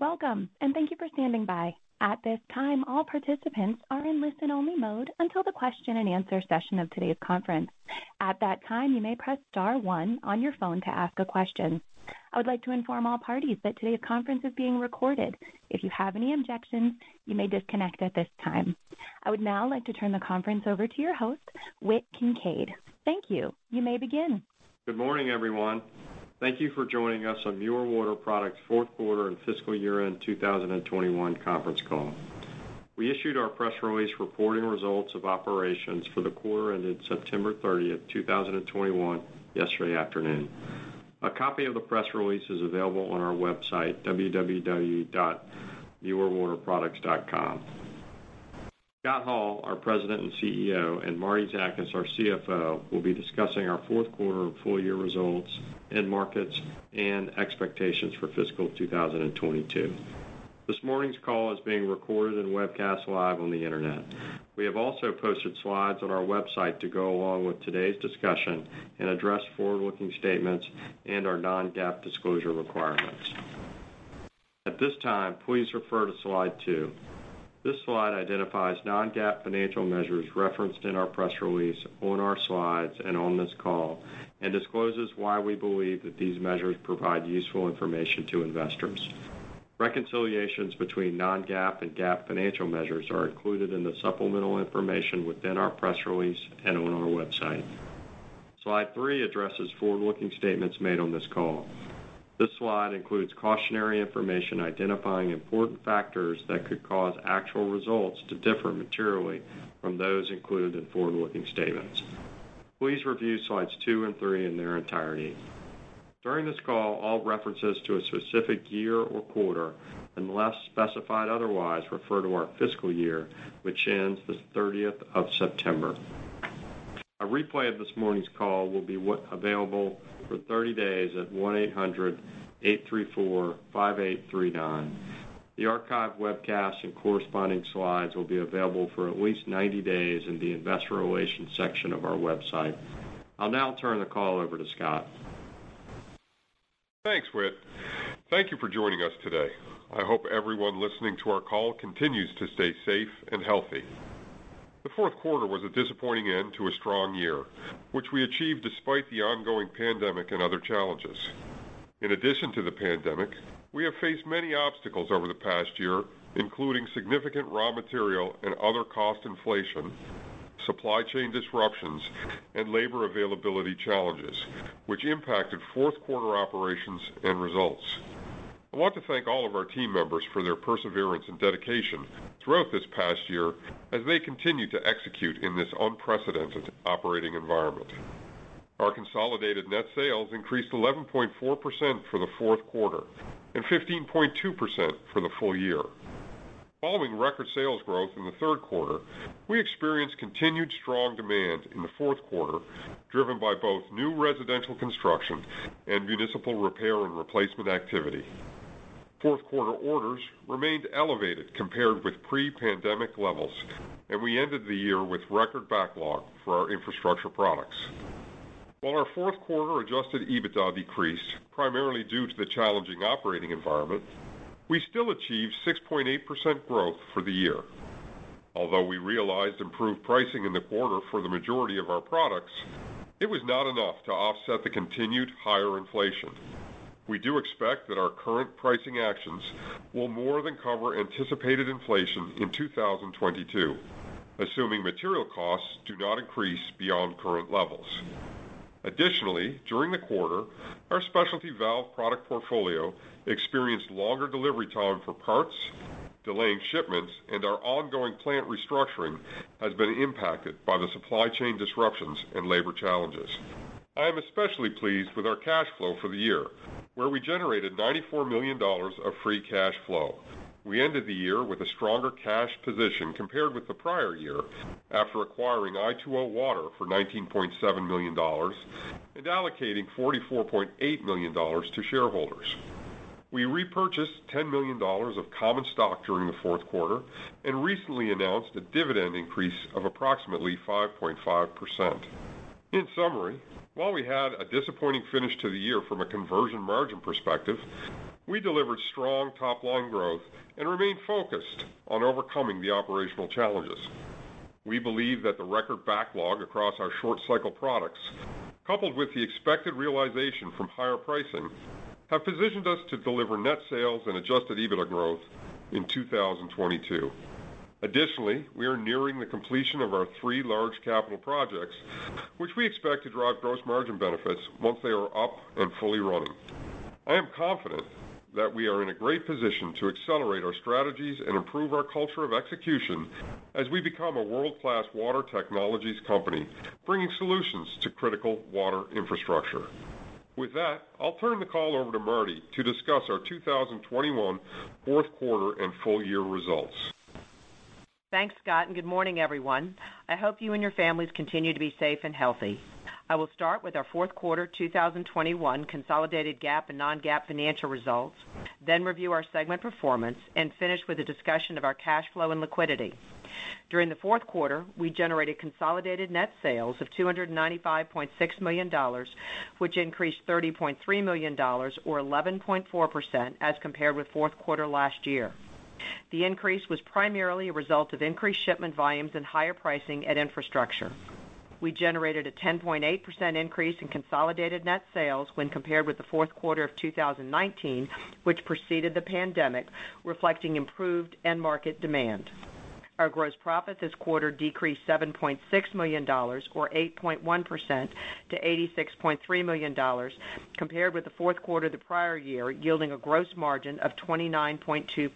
Welcome, and thank you for standing by. At this time, all participants are in listen-only mode until the question-and-answer session of today's conference. At that time, you may press star one on your phone to ask a question. I would like to inform all parties that today's conference is being recorded. If you have any objections, you may disconnect at this time. I would now like to turn the conference over to your host, Whit Kincaid. Thank you. You may begin. Good morning, everyone. Thank you for joining us on Mueller Water Products' Fourth Quarter and Fiscal yYear-End 2021 Conference Call. We issued our press release reporting results of operations for the quarter ended September 30th, 2021 yesterday afternoon. A copy of the press release is available on our website, www.muellerwaterproducts.com. Scott Hall, our President and CEO, and Martie Zakas, our CFO, will be discussing our fourth quarter and full year results, end markets, and expectations for fiscal 2022. This morning's call is being recorded and webcast live on the Internet. We have also posted slides on our website to go along with today's discussion and address forward-looking statements and our non-GAAP disclosure requirements. At this time, please refer to slide two. This slide identifies non-GAAP financial measures referenced in our press release, on our slides, and on this call, and discloses why we believe that these measures provide useful information to investors. Reconciliations between non-GAAP and GAAP financial measures are included in the supplemental information within our press release and on our website. Slide 3 addresses forward-looking statements made on this call. This slide includes cautionary information identifying important factors that could cause actual results to differ materially from those included in forward-looking statements. Please review slides two and three in their entirety. During this call, all references to a specific year or quarter, unless specified otherwise, refer to our fiscal year, which ends the 30th of September. A replay of this morning's call will be available for 30 days at 1-800-834-5839. The archived webcast and corresponding slides will be available for at least 90 days in the investor relations section of our website. I'll now turn the call over to Scott. Thanks, Whit. Thank you for joining us today. I hope everyone listening to our call continues to stay safe and healthy. The fourth quarter was a disappointing end to a strong year, which we achieved despite the ongoing pandemic and other challenges. In addition to the pandemic, we have faced many obstacles over the past year, including significant raw material and other cost inflation, supply chain disruptions, and labor availability challenges, which impacted fourth quarter operations and results. I want to thank all of our team members for their perseverance and dedication throughout this past year as they continue to execute in this unprecedented operating environment. Our consolidated net sales increased 11.4% for the fourth quarter and 15.2% for the full year. Following record sales growth in the third quarter, we experienced continued strong demand in the fourth quarter, driven by both new residential construction and municipal repair and replacement activity. Fourth quarter orders remained elevated compared with pre-pandemic levels, and we ended the year with record backlog for our infrastructure products. While our fourth quarter adjusted EBITDA decreased, primarily due to the challenging operating environment, we still achieved 6.8% growth for the year. Although we realized improved pricing in the quarter for the majority of our products, it was not enough to offset the continued higher inflation. We do expect that our current pricing actions will more than cover anticipated inflation in 2022, assuming material costs do not increase beyond current levels. Additionally, during the quarter, our specialty valve product portfolio experienced longer delivery time for parts, delaying shipments, and our ongoing plant restructuring has been impacted by the supply chain disruptions and labor challenges. I am especially pleased with our cash flow for the year, where we generated $94 million of free cash flow. We ended the year with a stronger cash position compared with the prior year after acquiring i2O Water for $19.7 million and allocating $44.8 million to shareholders. We repurchased $10 million of common stock during the fourth quarter and recently announced a dividend increase of approximately 5.5%. In summary, while we had a disappointing finish to the year from a conversion margin perspective, we delivered strong top-line growth and remained focused on overcoming the operational challenges. We believe that the record backlog across our short cycle products, coupled with the expected realization from higher pricing, have positioned us to deliver net sales and adjusted EBITDA growth in 2022. Additionally, we are nearing the completion of our three large capital projects, which we expect to drive gross margin benefits once they are up and fully running. I am confident that we are in a great position to accelerate our strategies and improve our culture of execution as we become a world-class water technologies company, bringing solutions to critical water infrastructure. With that, I'll turn the call over to Martie to discuss our 2021 fourth quarter and full year results. Thanks, Scott, and good morning, everyone. I hope you and your families continue to be safe and healthy. I will start with our fourth quarter 2021 consolidated GAAP and non-GAAP financial results, then review our segment performance, and finish with a discussion of our cash flow and liquidity. During the fourth quarter, we generated consolidated net sales of $295.6 million, which increased $30.3 million or 11.4% as compared with fourth quarter last year. The increase was primarily a result of increased shipment volumes and higher pricing at Infrastructure. We generated a 10.8% increase in consolidated net sales when compared with the fourth quarter of 2019, which preceded the pandemic, reflecting improved end market demand. Our gross profit this quarter decreased $7.6 million or 8.1% to $86.3 million compared with the fourth quarter the prior year, yielding a gross margin of 29.2%.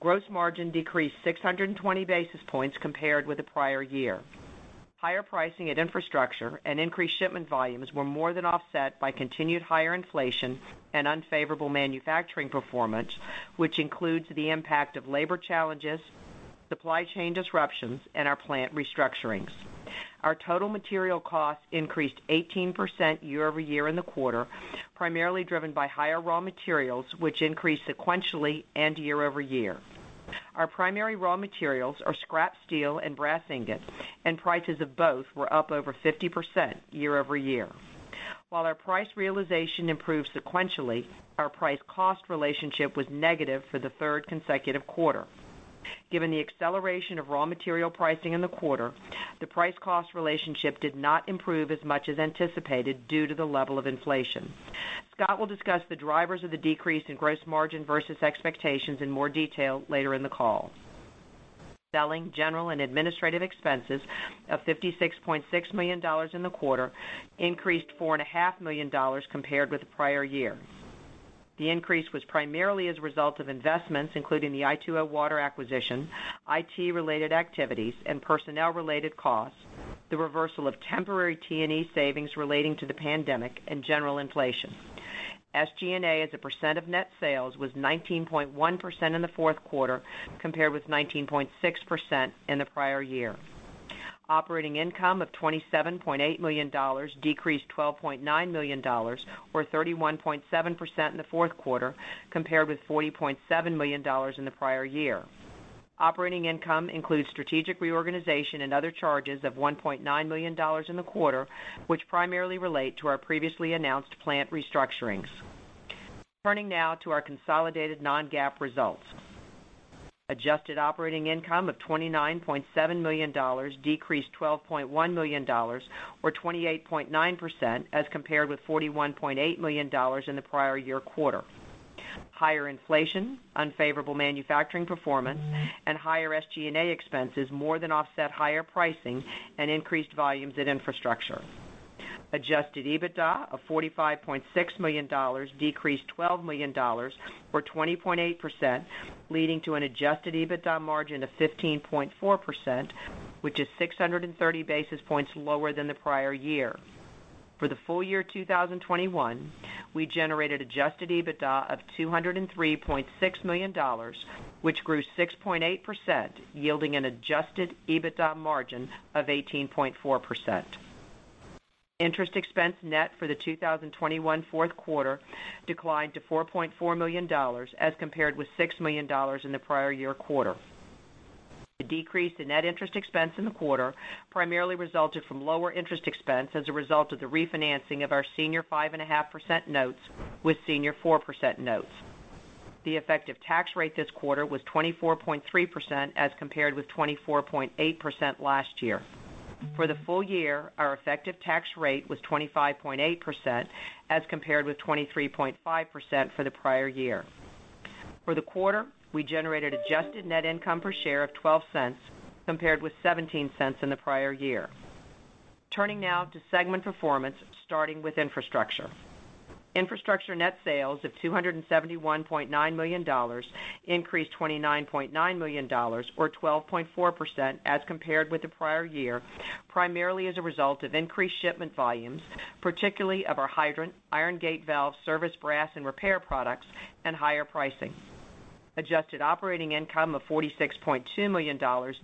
Gross margin decreased 620 basis points compared with the prior year. Higher pricing at infrastructure and increased shipment volumes were more than offset by continued higher inflation and unfavorable manufacturing performance, which includes the impact of labor challenges, supply chain disruptions, and our plant restructurings. Our total material costs increased 18% year-over-year in the quarter, primarily driven by higher raw materials, which increased sequentially and year-over-year. Our primary raw materials are scrap steel and brass ingot, and prices of both were up over 50% year-over-year. While our price realization improved sequentially, our price cost relationship was negative for the third consecutive quarter. Given the acceleration of raw material pricing in the quarter, the price cost relationship did not improve as much as anticipated due to the level of inflation. Scott will discuss the drivers of the decrease in gross margin versus expectations in more detail later in the call. Selling, general, and administrative expenses of $56.6 million in the quarter increased $4.5 million compared with the prior year. The increase was primarily as a result of investments, including the i2O Water acquisition, IT-related activities and personnel-related costs, the reversal of temporary T&E savings relating to the pandemic and general inflation. SG&A, as a percent of net sales, was 19.1% in the fourth quarter compared with 19.6% in the prior year. Operating income of $27.8 million decreased $12.9 million or 31.7% in the fourth quarter compared with $40.7 million in the prior year. Operating income includes strategic reorganization and other charges of $1.9 million in the quarter, which primarily relate to our previously announced plant restructurings. Turning now to our consolidated non-GAAP results. Adjusted operating income of $29.7 million decreased $12.1 million or 28.9% as compared with $41.8 million in the prior year quarter. Higher inflation, unfavorable manufacturing performance and higher SG&A expenses more than offset higher pricing and increased volumes at Infrastructure. Adjusted EBITDA of $45.6 million decreased $12 million or 20.8%, leading to an adjusted EBITDA margin of 15.4%, which is 630 basis points lower than the prior year. For the full year 2021, we generated adjusted EBITDA of $203.6 million, which grew 6.8%, yielding an adjusted EBITDA margin of 18.4%. Interest expense net for the 2021 fourth quarter declined to $4.4 million as compared with $6 million in the prior year quarter. The decrease in net interest expense in the quarter primarily resulted from lower interest expense as a result of the refinancing of our senior 5.5% notes with senior 4% notes. The effective tax rate this quarter was 24.3% as compared with 24.8% last year. For the full year, our effective tax rate was 25.8% as compared with 23.5% for the prior year. For the quarter, we generated adjusted net income per share of $0.12 compared with $0.17 in the prior year. Turning now to segment performance, starting with Infrastructure. Infrastructure net sales of $271.9 million increased $29.9 million or 12.4% as compared with the prior year, primarily as a result of increased shipment volumes, particularly of our hydrants, iron gate valves, service brass and repair products, and higher pricing. Adjusted operating income of $46.2 million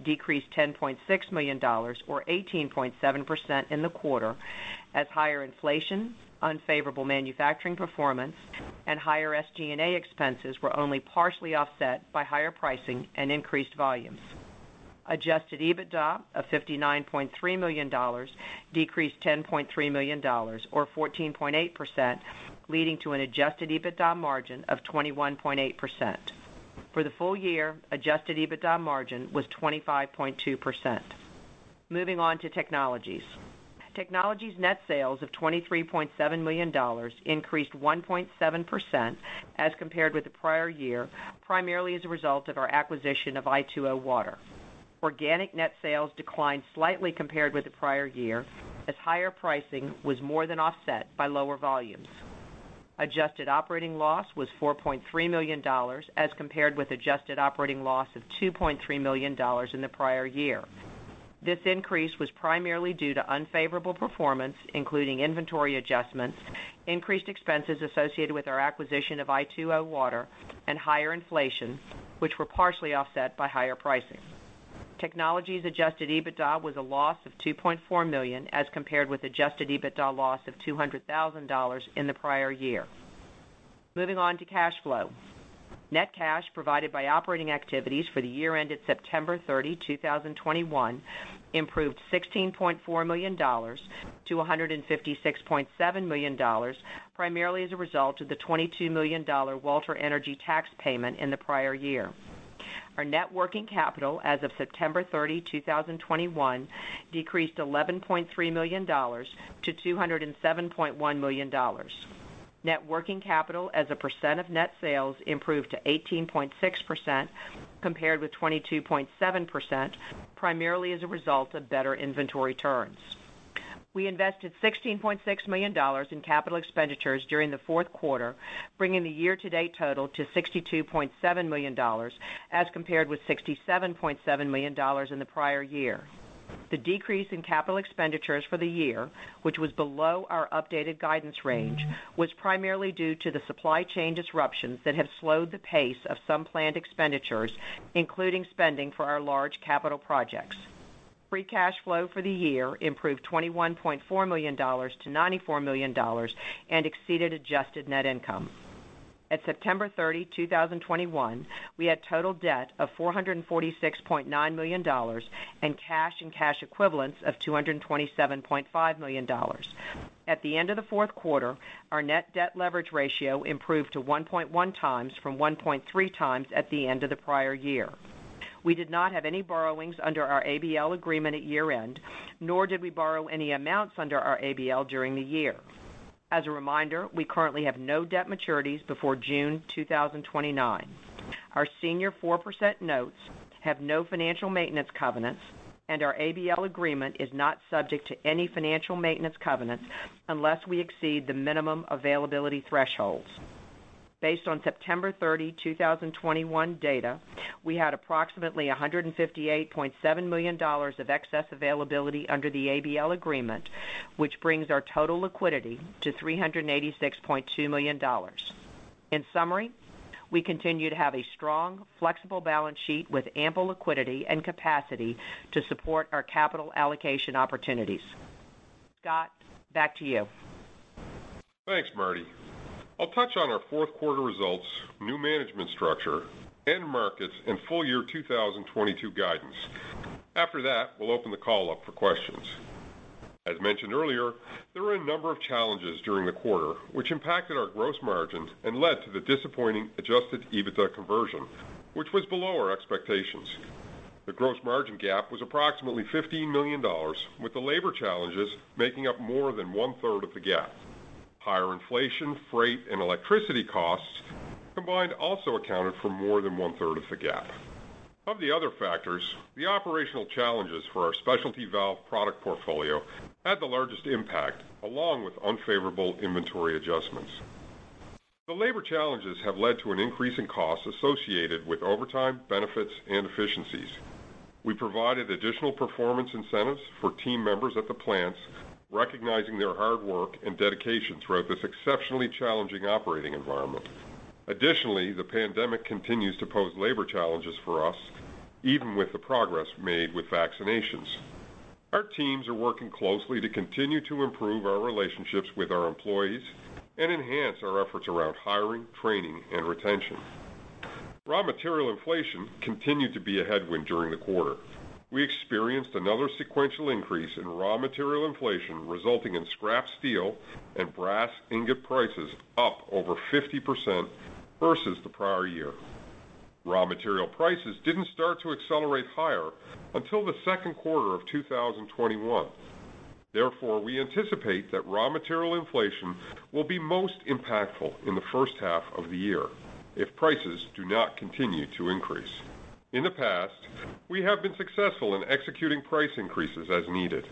decreased $10.6 million or 18.7% in the quarter as higher inflation, unfavorable manufacturing performance and higher SG&A expenses were only partially offset by higher pricing and increased volumes. Adjusted EBITDA of $59.3 million decreased $10.3 million or 14.8%, leading to an adjusted EBITDA margin of 21.8%. For the full year, adjusted EBITDA margin was 25.2%. Moving on to Technologies. Technologies net sales of $23.7 million increased 1.7% as compared with the prior year, primarily as a result of our acquisition of i2O Water. Organic net sales declined slightly compared with the prior year as higher pricing was more than offset by lower volumes. Adjusted operating loss was $4.3 million as compared with adjusted operating loss of $2.3 million in the prior year. This increase was primarily due to unfavorable performance, including inventory adjustments, increased expenses associated with our acquisition of i2O Water and higher inflation, which were partially offset by higher pricing. Technologies adjusted EBITDA was a loss of $2.4 million as compared with adjusted EBITDA loss of $200,000 in the prior year. Moving on to cash flow. Net cash provided by operating activities for the year ended September 30, 2021 improved $16.4 million to $156.7 million, primarily as a result of the $22 million Walter Energy tax payment in the prior year. Our net working capital as of September 30, 2021 decreased $11.3 million to $207.1 million. Net working capital as a percent of net sales improved to 18.6% compared with 22.7%, primarily as a result of better inventory turns. We invested $16.6 million in capital expenditures during the fourth quarter, bringing the year-to-date total to $62.7 million as compared with $67.7 million in the prior year. The decrease in capital expenditures for the year, which was below our updated guidance range, was primarily due to the supply chain disruptions that have slowed the pace of some planned expenditures, including spending for our large capital projects. Free cash flow for the year improved $21.4 million to $94 million and exceeded adjusted net income. At September 30, 2021, we had total debt of $446.9 million and cash and cash equivalents of $227.5 million. At the end of the fourth quarter, our net debt leverage ratio improved to 1.1x from 1.3x at the end of the prior year. We did not have any borrowings under our ABL agreement at year-end, nor did we borrow any amounts under our ABL during the year. As a reminder, we currently have no debt maturities before June 2029. Our senior 4% notes have no financial maintenance covenants, and our ABL agreement is not subject to any financial maintenance covenants unless we exceed the minimum availability thresholds. Based on September 30, 2021 data, we had approximately $158.7 million of excess availability under the ABL agreement, which brings our total liquidity to $386.2 million. In summary, we continue to have a strong, flexible balance sheet with ample liquidity and capacity to support our capital allocation opportunities. Scott, back to you. Thanks, Martie. I'll touch on our fourth quarter results, new management structure, end markets, and full year 2022 guidance. After that, we'll open the call up for questions. As mentioned earlier, there were a number of challenges during the quarter which impacted our gross margins and led to the disappointing adjusted EBITDA conversion, which was below our expectations. The gross margin gap was approximately $15 million, with the labor challenges making up more than one-third of the gap. Higher inflation, freight, and electricity costs combined also accounted for more than one-third of the gap. Of the other factors, the operational challenges for our specialty valve product portfolio had the largest impact, along with unfavorable inventory adjustments. The labor challenges have led to an increase in costs associated with overtime, benefits, and efficiencies. We provided additional performance incentives for team members at the plants, recognizing their hard work and dedication throughout this exceptionally challenging operating environment. Additionally, the pandemic continues to pose labor challenges for us, even with the progress made with vaccinations. Our teams are working closely to continue to improve our relationships with our employees and enhance our efforts around hiring, training, and retention. Raw material inflation continued to be a headwind during the quarter. We experienced another sequential increase in raw material inflation, resulting in scrap steel and brass ingot prices up over 50% versus the prior year. Raw material prices didn't start to accelerate higher until the second quarter of 2021. Therefore, we anticipate that raw material inflation will be most impactful in the first half of the year if prices do not continue to increase. In the past, we have been successful in executing price increases as needed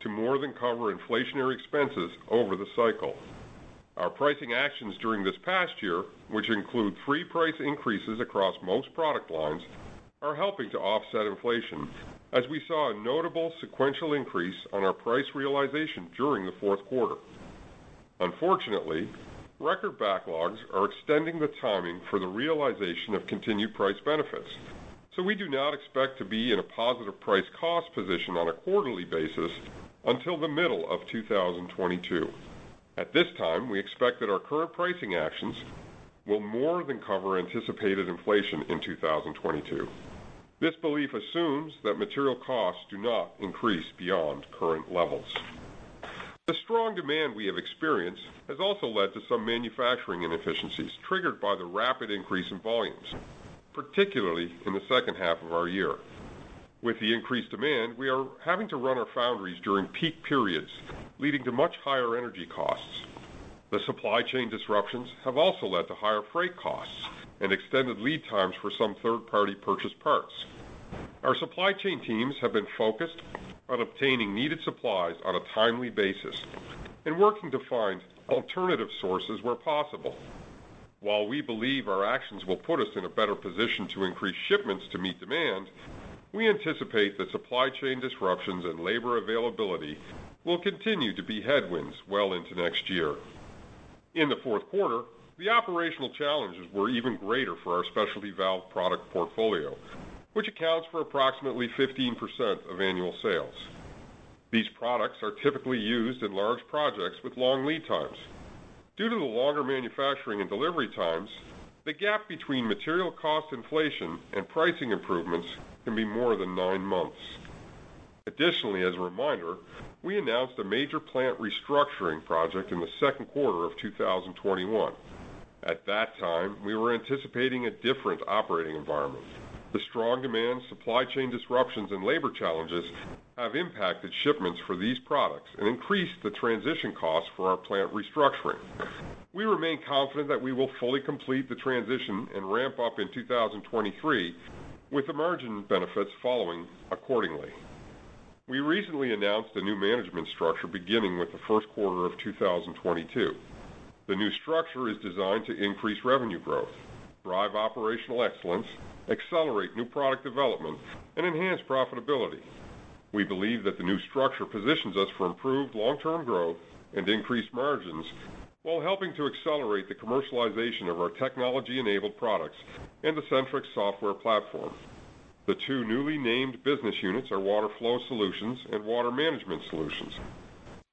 to more than cover inflationary expenses over the cycle. Our pricing actions during this past year, which include three price increases across most product lines, are helping to offset inflation as we saw a notable sequential increase on our price realization during the fourth quarter. Unfortunately, record backlogs are extending the timing for the realization of continued price benefits. We do not expect to be in a positive price cost position on a quarterly basis until the middle of 2022. At this time, we expect that our current pricing actions will more than cover anticipated inflation in 2022. This belief assumes that material costs do not increase beyond current levels. The strong demand we have experienced has also led to some manufacturing inefficiencies triggered by the rapid increase in volumes, particularly in the second half of our year. With the increased demand, we are having to run our foundries during peak periods, leading to much higher energy costs. The supply chain disruptions have also led to higher freight costs and extended lead times for some third-party purchased parts. Our supply chain teams have been focused on obtaining needed supplies on a timely basis and working to find alternative sources where possible. While we believe our actions will put us in a better position to increase shipments to meet demand, we anticipate that supply chain disruptions and labor availability will continue to be headwinds well into next year. In the fourth quarter, the operational challenges were even greater for our specialty valves product portfolio, which accounts for approximately 15% of annual sales. These products are typically used in large projects with long lead times. Due to the longer manufacturing and delivery times, the gap between material cost inflation and pricing improvements can be more than nine months. Additionally, as a reminder, we announced a major plant restructuring project in the second quarter of 2021. At that time, we were anticipating a different operating environment. The strong demand, supply chain disruptions, and labor challenges have impacted shipments for these products and increased the transition costs for our plant restructuring. We remain confident that we will fully complete the transition and ramp up in 2023, with the margin benefits following accordingly. We recently announced a new management structure beginning with the first quarter of 2022. The new structure is designed to increase revenue growth, drive operational excellence, accelerate new product development, and enhance profitability. We believe that the new structure positions us for improved long-term growth and increased margins while helping to accelerate the commercialization of our technology-enabled products and the Sentryx software platform. The two newly named business units are Water Flow Solutions and Water Management Solutions.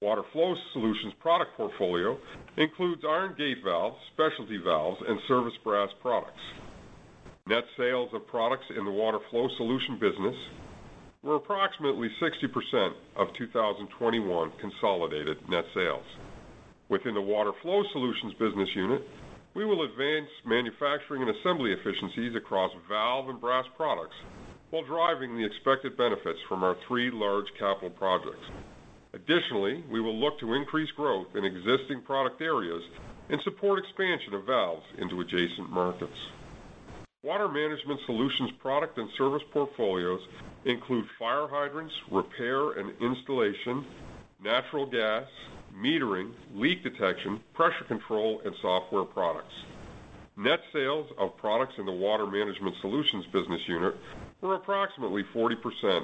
Water Flow Solutions product portfolio includes iron gate valves, specialty valves, and service brass products. Net sales of products in the Water Flow Solutions business were approximately 60% of 2021 consolidated net sales. Within the Water Flow Solutions business unit, we will advance manufacturing and assembly efficiencies across valve and brass products while driving the expected benefits from our three large capital projects. Additionally, we will look to increase growth in existing product areas and support expansion of valves into adjacent markets. Water Management Solutions product and service portfolios include fire hydrants, repair and installation, natural gas, metering, leak detection, pressure control, and software products. Net sales of products in the Water Management Solutions business unit were approximately 40%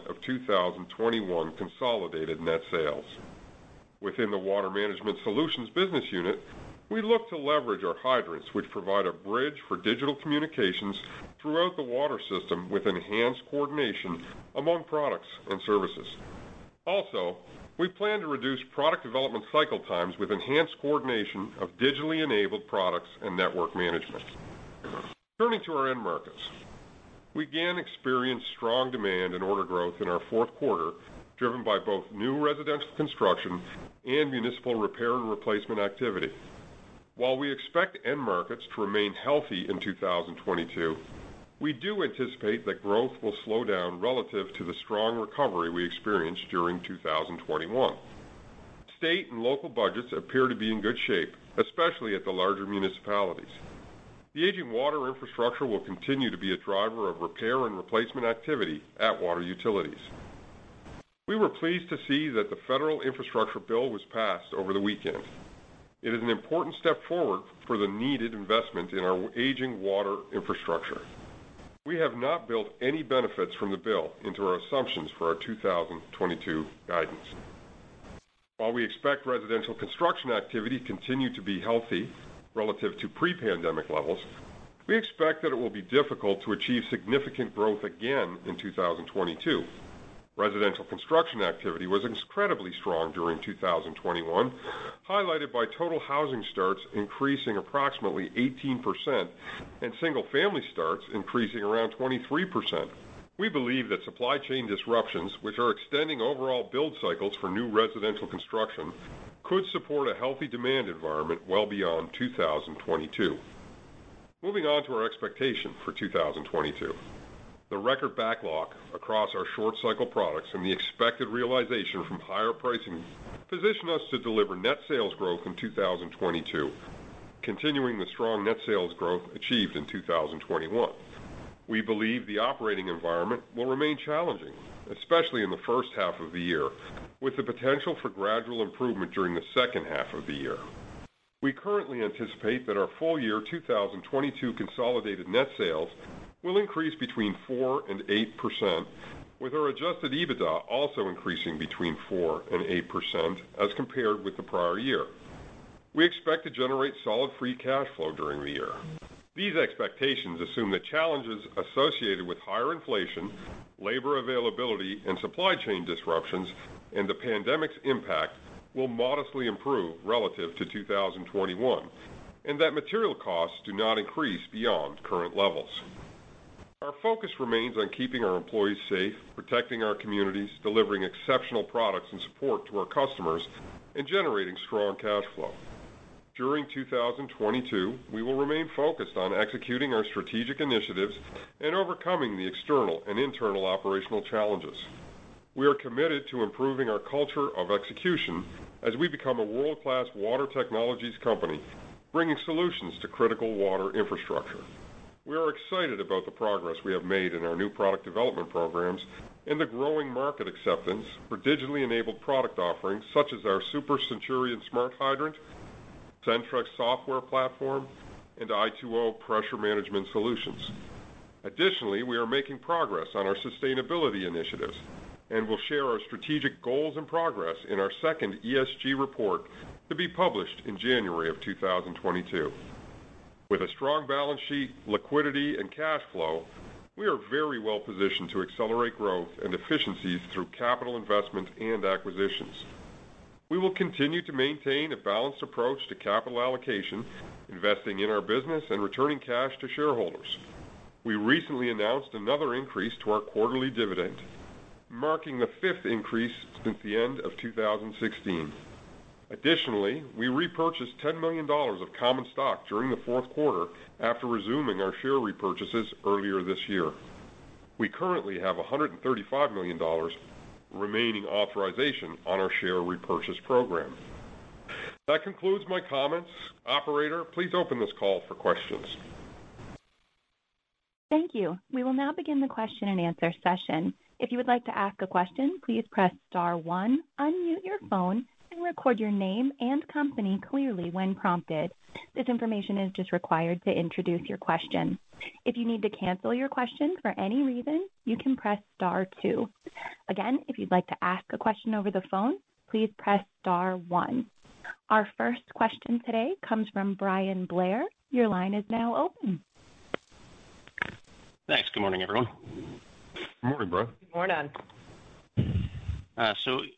of 2021 consolidated net sales. Within the Water Management Solutions business unit, we look to leverage our hydrants, which provide a bridge for digital communications throughout the water system with enhanced coordination among products and services. Also, we plan to reduce product development cycle times with enhanced coordination of digitally enabled products and network management. Turning to our end markets. We again experienced strong demand and order growth in our fourth quarter, driven by both new residential construction and municipal repair and replacement activity. While we expect end markets to remain healthy in 2022, we do anticipate that growth will slow down relative to the strong recovery we experienced during 2021. State and local budgets appear to be in good shape, especially at the larger municipalities. The aging water infrastructure will continue to be a driver of repair and replacement activity at water utilities. We were pleased to see that the federal infrastructure bill was passed over the weekend. It is an important step forward for the needed investment in our aging water infrastructure. We have not built any benefits from the bill into our assumptions for our 2022 guidance. While we expect residential construction activity to continue to be healthy relative to pre-pandemic levels, we expect that it will be difficult to achieve significant growth again in 2022. Residential construction activity was incredibly strong during 2021, highlighted by total housing starts increasing approximately 18% and single-family starts increasing around 23%. We believe that supply chain disruptions, which are extending overall build cycles for new residential construction, could support a healthy demand environment well beyond 2022. Moving on to our expectation for 2022. The record backlog across our short-cycle products and the expected realization from higher pricing position us to deliver net sales growth in 2022, continuing the strong net sales growth achieved in 2021. We believe the operating environment will remain challenging, especially in the first half of the year, with the potential for gradual improvement during the second half of the year. We currently anticipate that our full-year 2022 consolidated net sales will increase between 4% and 8%, with our adjusted EBITDA also increasing between 4% and 8% as compared with the prior year. We expect to generate solid free cash flow during the year. These expectations assume the challenges associated with higher inflation, labor availability, and supply chain disruptions, and the pandemic's impact will modestly improve relative to 2021, and that material costs do not increase beyond current levels. Our focus remains on keeping our employees safe, protecting our communities, delivering exceptional products and support to our customers, and generating strong cash flow. During 2022, we will remain focused on executing our strategic initiatives and overcoming the external and internal operational challenges. We are committed to improving our culture of execution as we become a world-class water technologies company, bringing solutions to critical water infrastructure. We are excited about the progress we have made in our new product development programs and the growing market acceptance for digitally enabled product offerings such as our Super Centurion smart hydrant, Sentryx software platform, and i2O Pressure Management Solutions. Additionally, we are making progress on our sustainability initiatives and will share our strategic goals and progress in our second ESG report to be published in January 2022. With a strong balance sheet, liquidity, and cash flow, we are very well positioned to accelerate growth and efficiencies through capital investments and acquisitions. We will continue to maintain a balanced approach to capital allocation, investing in our business and returning cash to shareholders. We recently announced another increase to our quarterly dividend, marking the fifth increase since the end of 2016. Additionally, we repurchased $10 million of common stock during the fourth quarter after resuming our share repurchases earlier this year. We currently have $135 million remaining authorization on our share repurchase program. That concludes my comments. Operator, please open this call for questions. Thank you. We will now begin the question-and-answer session. If you would like to ask a question, please press star one, unmute your phone and record your name and company clearly when prompted. This information is just required to introduce your question. If you need to cancel your question for any reason, you can press star two. Again, if you'd like to ask a question over the phone, please press star one. Our first question today comes from Bryan Blair. Your line is now open. Thanks. Good morning, everyone. Good morning, Bryan. Good morning.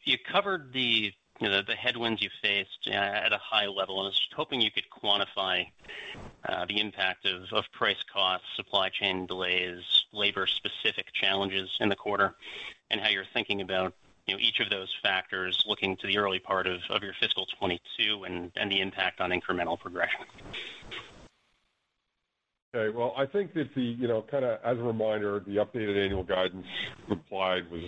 You covered the headwinds you faced at a high level. I was hoping you could quantify the impact of price costs, supply chain delays, labor-specific challenges in the quarter, and how you're thinking about each of those factors looking to the early part of your fiscal 2022 and the impact on incremental progression. Okay. Well, I think that the, you know, kind of as a reminder, the updated annual guidance implied was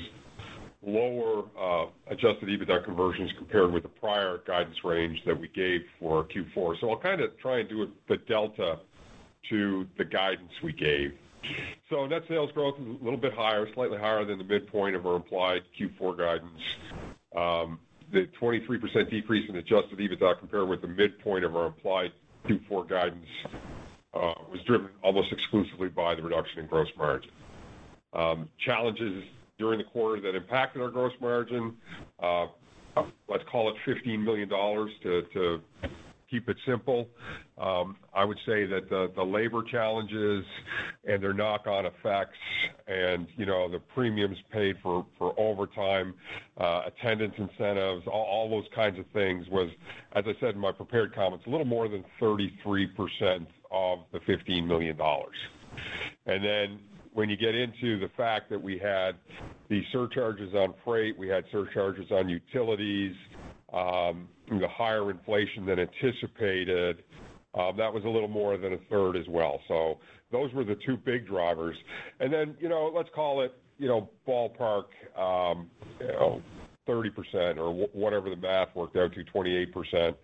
lower, adjusted EBITDA conversions compared with the prior guidance range that we gave for Q4. I'll kind of try and do it the delta to the guidance we gave. Net sales growth was a little bit higher, slightly higher than the midpoint of our implied Q4 guidance. The 23% decrease in adjusted EBITDA compared with the midpoint of our implied Q4 guidance was driven almost exclusively by the reduction in gross margin from challenges during the quarter that impacted our gross margin, let's call it $15 million to keep it simple. I would say that the labor challenges and their knock-on effects and, you know, the premiums paid for overtime, attendance incentives, all those kinds of things was, as I said in my prepared comments, a little more than 33% of the $15 million. Then when you get into the fact that we had these surcharges on freight, we had surcharges on utilities, the higher inflation than anticipated, that was a little more than a third as well. Those were the two big drivers. Then, you know, let's call it, you know, ballpark, 30% or whatever the math worked out to, 28%.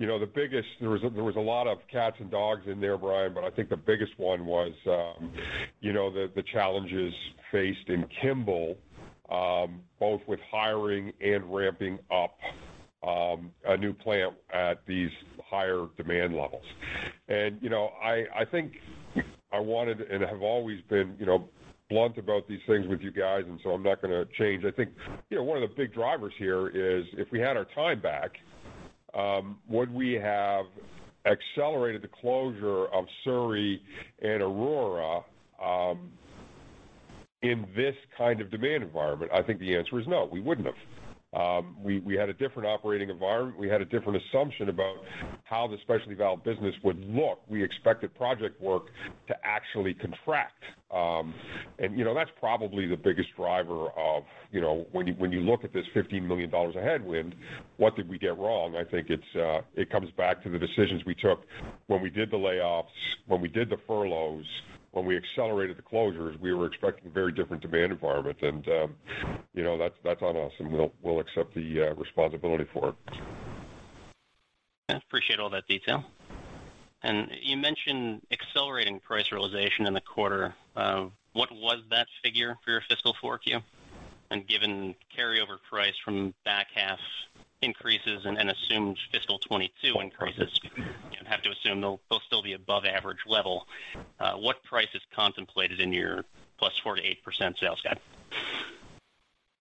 You know, the biggest one was a lot of cats and dogs in there, Bryan, but I think the biggest one was the challenges faced in Kimball, both with hiring and ramping up a new plant at these higher demand levels. You know, I think I wanted and have always been blunt about these things with you guys, and so I'm not gonna change. I think one of the big drivers here is if we had our time back, would we have accelerated the closure of Surrey and Aurora in this kind of demand environment? I think the answer is no, we wouldn't have. We had a different operating environment. We had a different assumption about how the specialty valve business would look. We expected project work to actually contract. You know, that's probably the biggest driver of, you know, when you look at this $15 million headwind, what did we get wrong? I think it's it comes back to the decisions we took when we did the layoffs, when we did the furloughs, when we accelerated the closures. We were expecting a very different demand environment. You know, that's on us, and we'll accept the responsibility for it. I appreciate all that detail. You mentioned accelerating price realization in the quarter. What was that figure for your fiscal 4Q? Given carryover price from back half increases and assumed fiscal 2022 increases, you have to assume they'll still be above average level. What price is contemplated in your +4%-8% sales guide?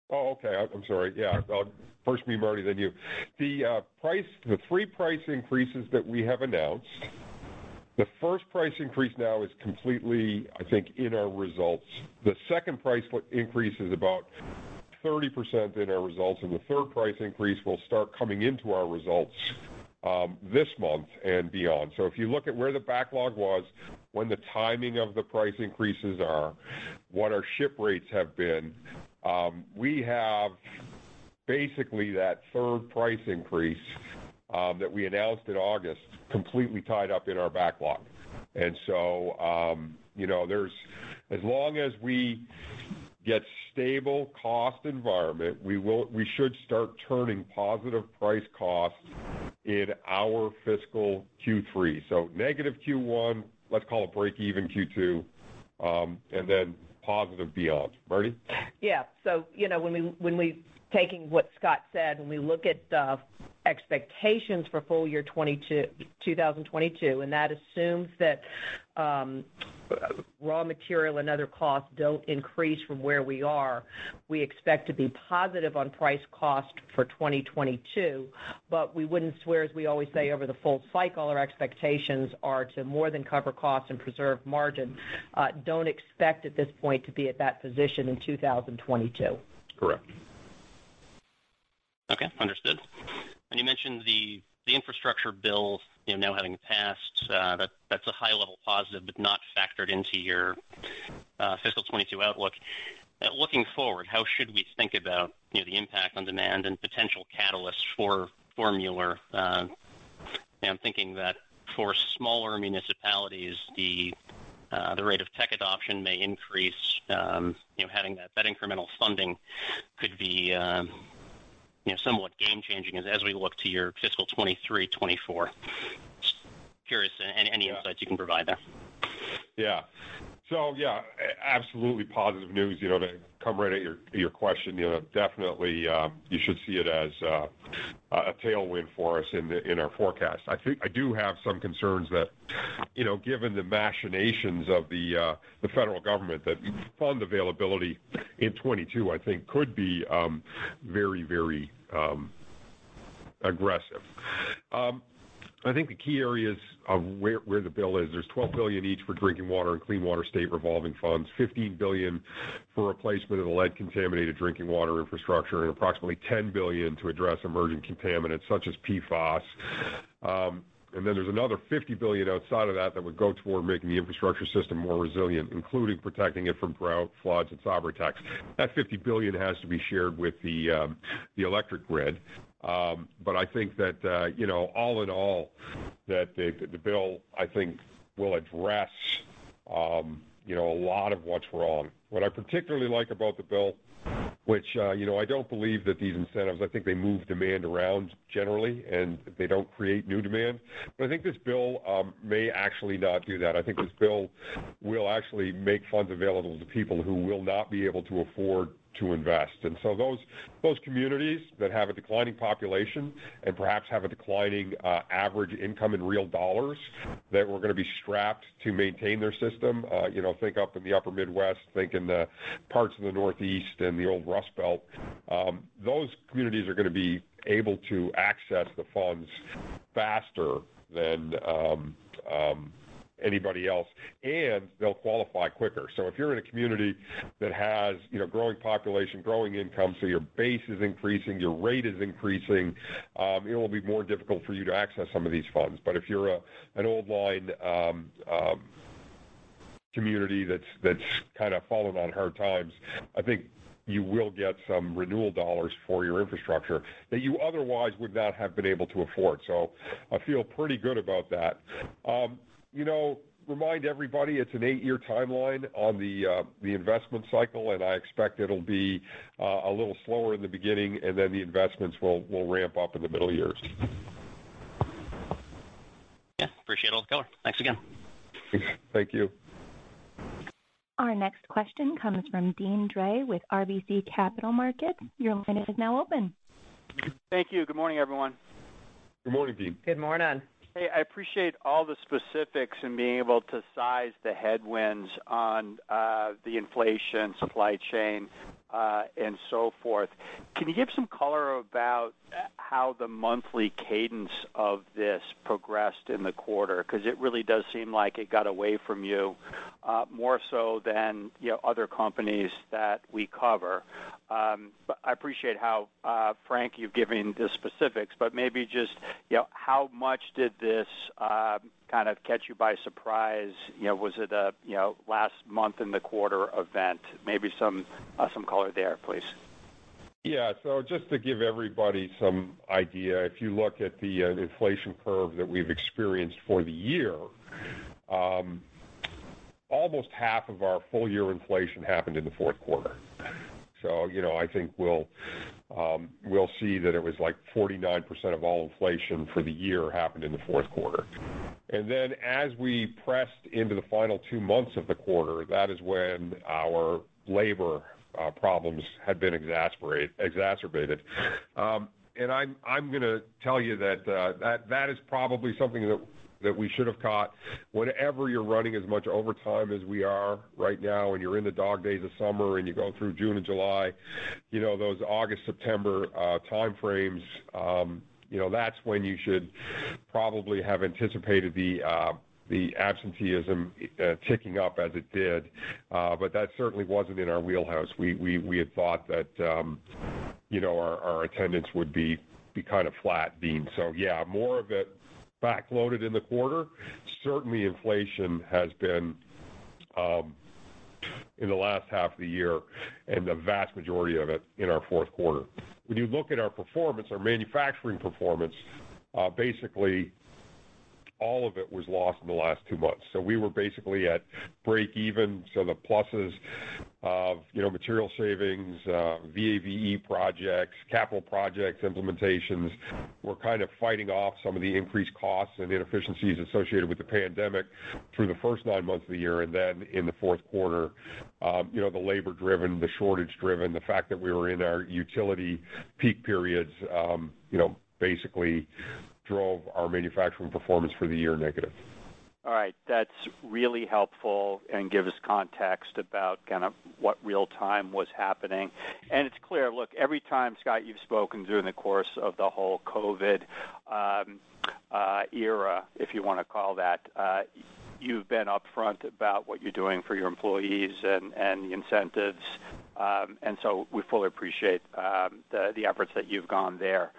Oh, okay. I'm sorry. Yeah. First me, Martie, then you. The three price increases that we have announced, the first price increase now is completely, I think, in our results. The second price increase is about 30% in our results, and the third price increase will start coming into our results this month and beyond. If you look at where the backlog was, when the timing of the price increases are, what our ship rates have been, we have basically that third price increase that we announced in August completely tied up in our backlog. You know, as long as we get stable cost environment, we should start turning positive price costs in our fiscal Q3. Negative Q1, let's call it break even Q2, and then positive beyond. Martie? Yeah. You know, taking what Scott said, when we look at the expectations for full year 2022, and that assumes that raw material and other costs don't increase from where we are. We expect to be positive on price cost for 2022, but we wouldn't swear, as we always say, over the full cycle, our expectations are to more than cover costs and preserve margin. Don't expect at this point to be at that position in 2022. Correct. Okay. Understood. You mentioned the Infrastructure bill, you know, now having passed, that's a high level positive, but not factored into your fiscal 2022 outlook. Looking forward, how should we think about, you know, the impact on demand and potential catalysts for Mueller? I'm thinking that for smaller municipalities, the rate of tech adoption may increase, you know, having that incremental funding could be, you know, somewhat game changing as we look to your fiscal 2023, 2024. Just curious any insights you can provide there. Yeah. Yeah, absolutely positive news, you know, to come right at your question. You know, definitely, you should see it as a tailwind for us in our forecast. I think I do have some concerns that, you know, given the machinations of the federal government, that fund availability in 2022, I think could be very aggressive. I think the key areas of where the bill is, there's $12 billion each for drinking water and clean water state revolving funds. $15 billion for replacement of the lead contaminated drinking water infrastructure, and approximately $10 billion to address emerging contaminants such as PFAS. Then there's another $50 billion outside of that that would go toward making the infrastructure system more resilient, including protecting it from drought, floods, and cyber attacks. That $50 billion has to be shared with the electric grid. I think that, you know, all in all, that the bill, I think, will address, you know, a lot of what's wrong. What I particularly like about the bill, which, you know, I don't believe that these incentives, I think they move demand around generally, and they don't create new demand. I think this bill may actually not do that. I think this bill will actually make funds available to people who will not be able to afford to invest. Those communities that have a declining population and perhaps have a declining average income in real dollars that were gonna be strapped to maintain their system, you know, think up in the upper Midwest, think in the parts of the Northeast and the old Rust Belt, those communities are gonna be able to access the funds faster than anybody else, and they'll qualify quicker. If you're in a community that has, you know, growing population, growing income, so your base is increasing, your rate is increasing, it'll be more difficult for you to access some of these funds. If you're an old line community that's kind of fallen on hard times, I think you will get some renewal dollars for your infrastructure that you otherwise would not have been able to afford. I feel pretty good about that. You know, remind everybody it's an eight-year timeline on the investment cycle, and I expect it'll be a little slower in the beginning, and then the investments will ramp up in the middle years. Yeah. Appreciate all the color. Thanks again. Thank you. Our next question comes from Deane Dray with RBC Capital Markets. Your line is now open. Thank you. Good morning, everyone. Good morning, Deane. Good morning. Hey, I appreciate all the specifics and being able to size the headwinds on the inflation supply chain and so forth. Can you give some color about how the monthly cadence of this progressed in the quarter? Because it really does seem like it got away from you more so than, you know, other companies that we cover. But I appreciate how frank you've given the specifics, but maybe just, you know, how much did this kind of catch you by surprise? You know, was it a you know, last month in the quarter event? Maybe some color there, please. Yeah. Just to give everybody some idea, if you look at the inflation curve that we've experienced for the year, almost half of our full year inflation happened in the fourth quarter. You know, I think we'll see that it was like 49% of all inflation for the year happened in the fourth quarter. Then as we pressed into the final two months of the quarter, that is when our labor problems had been exacerbated. I'm gonna tell you that that is probably something that we should have caught. Whenever you're running as much overtime as we are right now, and you're in the dog days of summer and you go through June and July, you know, those August-September time frames, you know, that's when you should probably have anticipated the absenteeism ticking up as it did. That certainly wasn't in our wheelhouse. We had thought that, you know, our attendance would be kind of flat, Dean. Yeah, more of it backloaded in the quarter. Certainly inflation has been in the last half of the year and the vast majority of it in our fourth quarter. When you look at our performance, our manufacturing performance, basically all of it was lost in the last two months. We were basically at break even, so the pluses of, you know, material savings, VAVE projects, capital projects implementations were kind of fighting off some of the increased costs and inefficiencies associated with the pandemic through the first nine months of the year. Then in the fourth quarter, you know, the labor-driven, the shortage-driven, the fact that we were in our utility peak periods, you know, basically drove our manufacturing performance for the year negative. All right. That's really helpful and gives context about kind of what really was happening. It's clear. Look, every time, Scott, you've spoken during the course of the whole COVID era, if you wanna call that. You've been upfront about what you're doing for your employees and the incentives. We fully appreciate the efforts that you've gone there.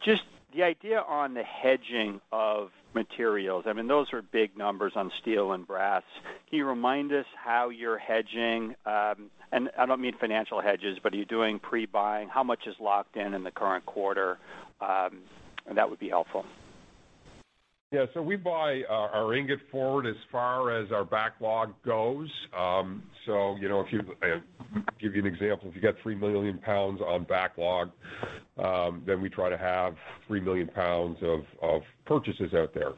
Just the idea on the hedging of materials. I mean, those are big numbers on steel and brass. Can you remind us how you're hedging? I don't mean financial hedges, but are you doing pre-buying? How much is locked in the current quarter? That would be helpful. Yeah. We buy our ingot forward as far as our backlog goes. You know, give you an example, if you got 3 million pounds on backlog, then we try to have 3 million pounds of purchases out there.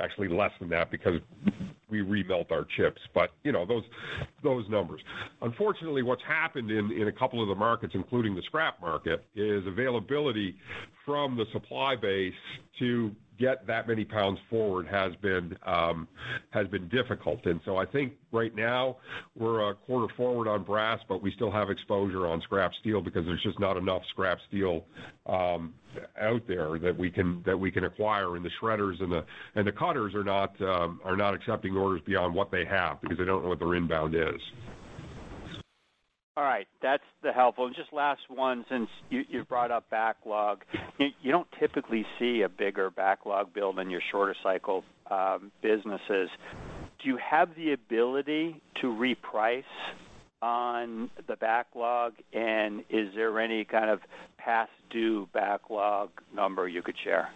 Actually less than that because we remelt our chips. You know, those numbers. Unfortunately, what's happened in a couple of the markets, including the scrap market, is availability from the supply base to get that many pounds forward has been difficult. I think right now we're a quarter forward on brass, but we still have exposure on scrap steel because there's just not enough scrap steel out there that we can acquire. The shredders and the cutters are not accepting orders beyond what they have because they don't know what their inbound is. All right. That's helpful. Just last one, since you brought up backlog. You don't typically see a bigger backlog build than your shorter cycle businesses. Do you have the ability to reprice on the backlog? And is there any kind of past due backlog number you could share?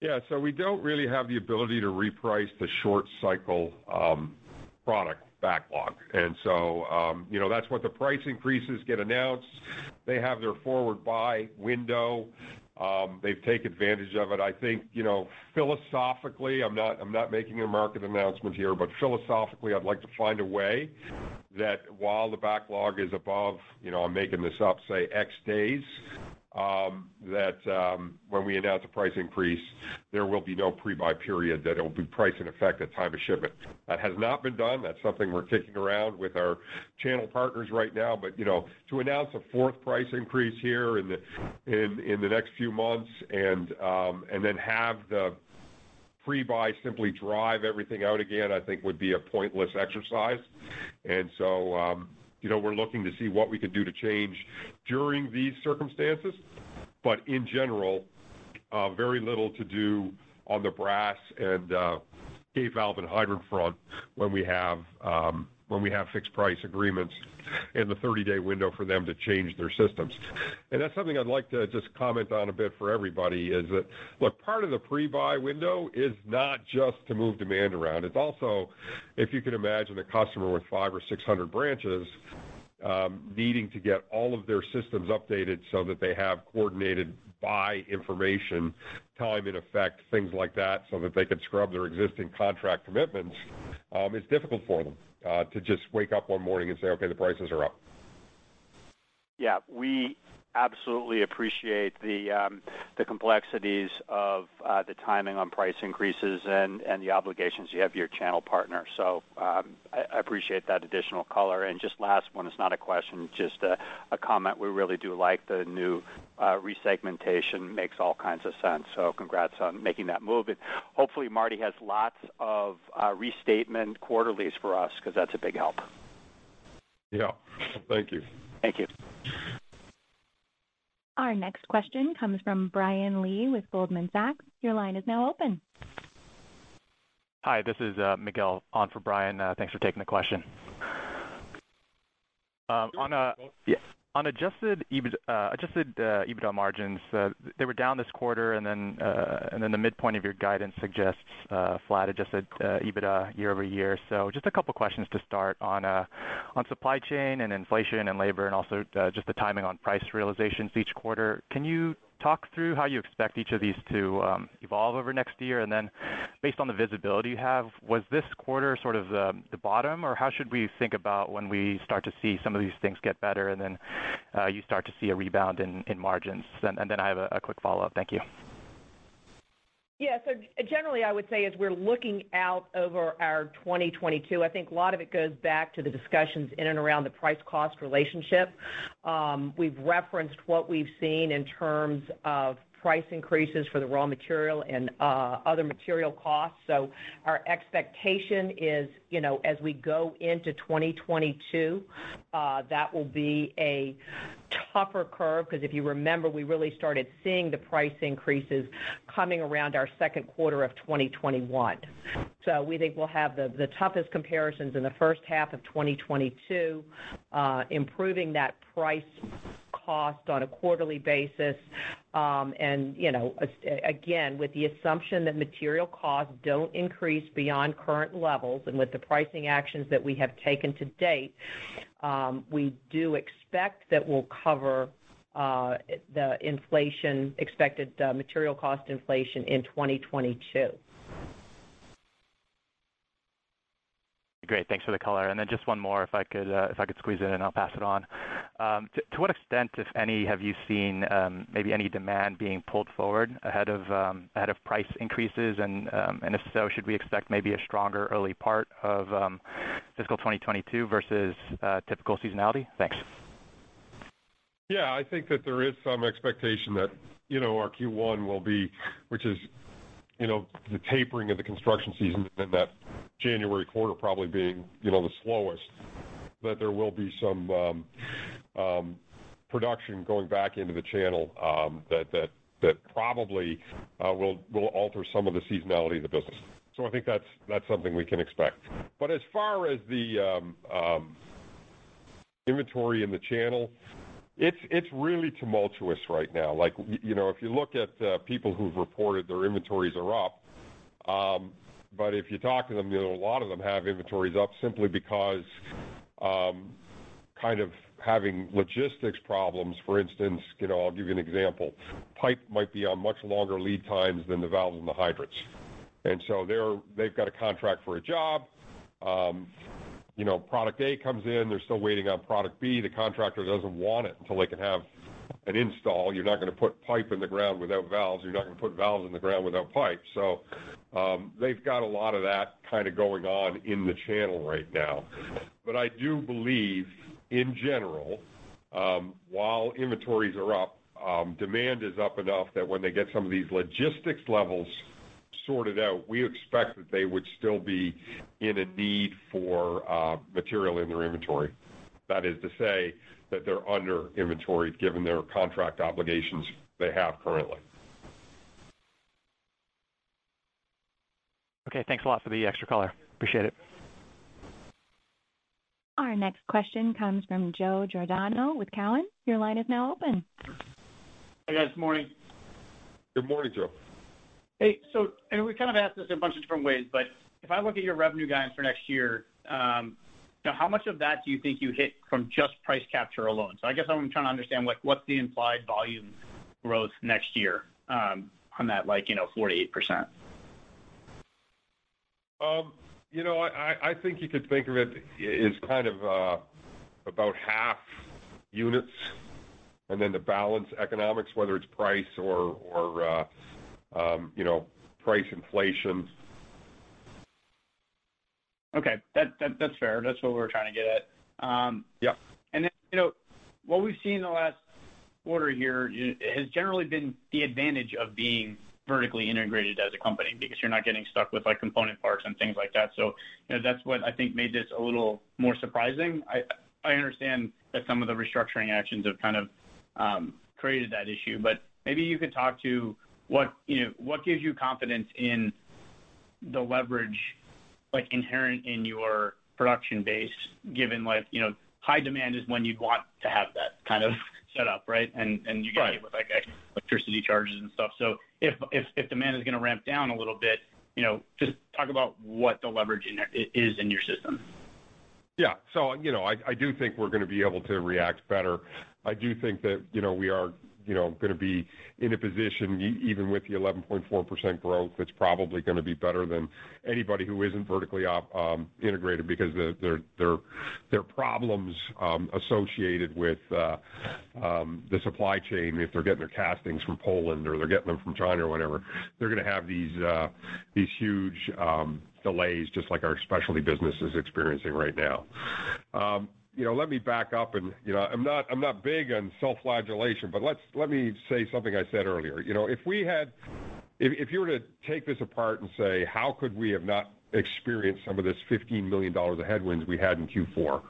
Yeah. We don't really have the ability to reprice the short cycle product backlog. You know, that's when the price increases get announced. They have their forward buy window. They've taken advantage of it. I think, you know, philosophically, I'm not making a market announcement here, but philosophically, I'd like to find a way that while the backlog is above, you know, I'm making this up, say X days, that when we announce a price increase, there will be no pre-buy period, that it will be priced in effect at time of shipment. That has not been done. That's something we're kicking around with our channel partners right now. You know, to announce a fourth price increase here in the next few months and then have the pre-buy simply drive everything out again, I think would be a pointless exercise. You know, we're looking to see what we could do to change during these circumstances. In general, very little to do on the brass and gate valve and hydrant front when we have fixed price agreements and the 30-day window for them to change their systems. That's something I'd like to just comment on a bit for everybody is that, look, part of the pre-buy window is not just to move demand around. It's also, if you can imagine a customer with 500 or 600 branches, needing to get all of their systems updated so that they have coordinated buy information, time in effect, things like that, so that they can scrub their existing contract commitments, it's difficult for them, to just wake up one morning and say, "Okay, the prices are up. Yeah. We absolutely appreciate the complexities of the timing on price increases and the obligations you have to your channel partner. I appreciate that additional color. Just last one, it's not a question, just a comment. We really do like the new resegmentation. Makes all kinds of sense. Congrats on making that move. Hopefully Martie has lots of restatement quarterlies for us because that's a big help. Yeah. Thank you. Thank you. Our next question comes from Bryan Lee with Goldman Sachs. Your line is now open. Hi, this is [Miguel] on for Bryan. Thanks for taking the question. On a- Sure. Yeah. On adjusted EBITDA margins, they were down this quarter, and then the midpoint of your guidance suggests flat adjusted EBITDA year-over-year. Just a couple questions to start on supply chain and inflation and labor and also just the timing on price realizations each quarter. Can you talk through how you expect each of these to evolve over next year? Based on the visibility you have, was this quarter sort of the bottom, or how should we think about when we start to see some of these things get better and then you start to see a rebound in margins? I have a quick follow-up. Thank you. Yeah. Generally, I would say as we're looking out over our 2022, I think a lot of it goes back to the discussions in and around the price cost relationship. We've referenced what we've seen in terms of price increases for the raw material and other material costs. Our expectation is, you know, as we go into 2022, that will be a tougher curve, because if you remember, we really started seeing the price increases coming around our second quarter of 2021. We think we'll have the toughest comparisons in the first half of 2022, improving that price cost on a quarterly basis. You know, again, with the assumption that material costs don't increase beyond current levels and with the pricing actions that we have taken to date, we do expect that we'll cover the expected material cost inflation in 2022. Great. Thanks for the color. Just one more, if I could squeeze it in, I'll pass it on. To what extent, if any, have you seen maybe any demand being pulled forward ahead of price increases? If so, should we expect maybe a stronger early part of fiscal 2022 versus typical seasonality? Thanks. Yeah, I think that there is some expectation that, you know, our Q1 will be, which is, you know, the tapering of the construction season and then that January quarter probably being, you know, the slowest, that there will be some production going back into the channel, that probably will alter some of the seasonality of the business. I think that's something we can expect. As far as the inventory in the channel, it's really tumultuous right now. Like, you know, if you look at people who've reported their inventories are up, but if you talk to them, you know, a lot of them have inventories up simply because kind of having logistics problems. For instance, you know, I'll give you an example. Pipe might be on much longer lead times than the valves and the hydrants. They've got a contract for a job. You know, product A comes in, they're still waiting on product B. The contractor doesn't want it until they can have an install. You're not gonna put pipe in the ground without valves. You're not gonna put valves in the ground without pipes. They've got a lot of that kind of going on in the channel right now. I do believe, in general, while inventories are up, demand is up enough that when they get some of these logistics levels sorted out, we expect that they would still be in a need for, material in their inventory. That is to say that they're under inventoried given their contract obligations they have currently. Okay. Thanks a lot for the extra color. Appreciate it. Our next question comes from Joe Giordano with Cowen. Your line is now open. Hi, guys. Morning. Good morning, Joe. We kind of asked this in a bunch of different ways, but if I look at your revenue guidance for next year, now, how much of that do you think you hit from just price capture alone? I guess I'm trying to understand what's the implied volume growth next year, on that, like, you know, 48%. You know, I think you could think of it. It's kind of about half units and then the balance economics, whether it's price or you know, price inflation. Okay. That's fair. That's what we're trying to get at. Yeah. You know, what we've seen in the last quarter here has generally been the advantage of being vertically integrated as a company because you're not getting stuck with, like, component parts and things like that. You know, that's what I think made this a little more surprising. I understand that some of the restructuring actions have kind of created that issue, but maybe you could talk to what, you know, what gives you confidence in the leverage, like, inherent in your production base, given, like, you know, high demand is when you'd want to have that kind of set up, right? Right. You get hit with, like, electricity charges and stuff. If demand is gonna ramp down a little bit, you know, just talk about what the leverage in there is in your system. You know, I do think we're gonna be able to react better. I do think that, you know, we are, you know, gonna be in a position even with the 11.4% growth, it's probably gonna be better than anybody who isn't vertically integrated because their problems associated with the supply chain, if they're getting their castings from Poland or they're getting them from China or whatever, they're gonna have these huge delays just like our specialty business is experiencing right now. You know, let me back up and, you know, I'm not big on self-flagellation, but let me say something I said earlier. You know, if we had If you were to take this apart and say, "How could we have not experienced some of this $15 million of headwinds we had in Q4?"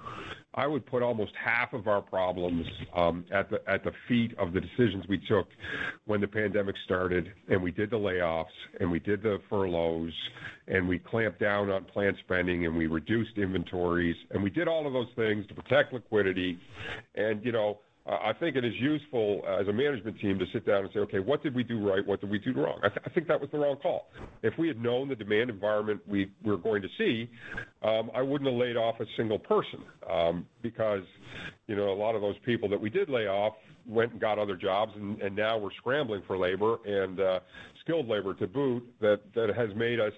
I would put almost half of our problems at the feet of the decisions we took when the pandemic started, and we did the layoffs, and we did the furloughs, and we clamped down on plant spending, and we reduced inventories. We did all of those things to protect liquidity. You know, I think it is useful as a management team to sit down and say, "Okay, what did we do right? What did we do wrong?" I think that was the wrong call. If we had known the demand environment we were going to see, I wouldn't have laid off a single person. Because, you know, a lot of those people that we did lay off went and got other jobs, and now we're scrambling for labor and skilled labor to boot that has made us,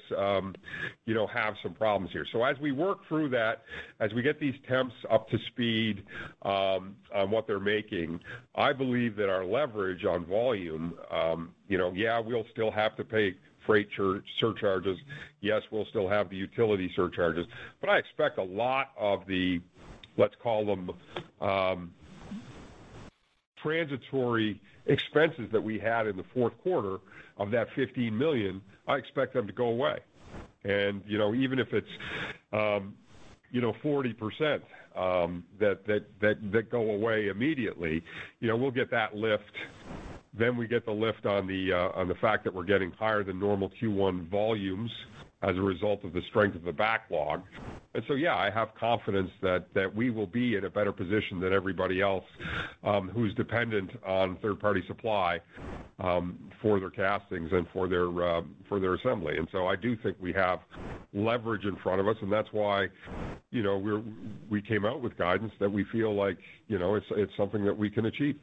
you know, have some problems here. As we work through that, as we get these temps up to speed on what they're making, I believe that our leverage on volume, you know, yeah, we'll still have to pay freight surcharges. Yes, we'll still have the utility surcharges. I expect a lot of the, let's call them, transitory expenses that we had in the fourth quarter of that $15 million, I expect them to go away. You know, even if it's 40%, that go away immediately, you know, we'll get that lift. We get the lift on the fact that we're getting higher than normal Q1 volumes as a result of the strength of the backlog. Yeah, I have confidence that we will be in a better position than everybody else who's dependent on third-party supply for their castings and for their assembly. I do think we have leverage in front of us, and that's why, you know, we came out with guidance that we feel like, you know, it's something that we can achieve.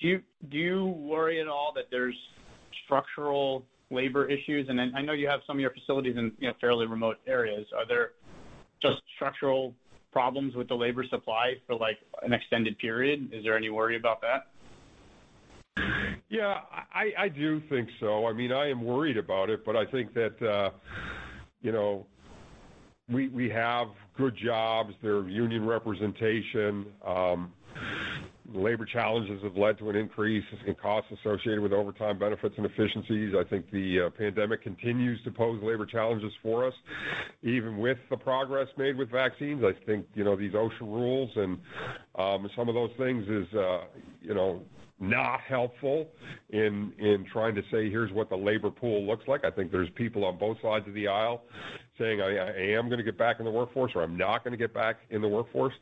Do you worry at all that there's structural labor issues? I know you have some of your facilities in, you know, fairly remote areas. Are there just structural problems with the labor supply for, like, an extended period? Is there any worry about that? Yeah, I do think so. I mean, I am worried about it, but I think that, you know, we have good jobs. There is union representation. Labor challenges have led to an increase in costs associated with overtime benefits and efficiencies. I think the pandemic continues to pose labor challenges for us, even with the progress made with vaccines. I think, you know, these OSHA rules and, some of those things are, you know, not helpful in trying to say, "Here's what the labor pool looks like." I think there's people on both sides of the aisle saying, "I am gonna get back in the workforce," or, "I'm not gonna get back in the workforce."